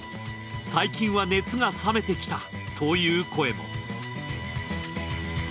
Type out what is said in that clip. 最近は熱が冷めてきたという声も。